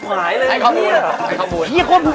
เฮ้ยให้ข้อบูรณ์